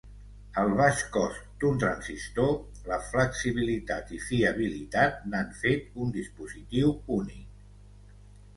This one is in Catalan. El baix cost d'un transistor, la flexibilitat i fiabilitat n'han fet un dispositiu únic.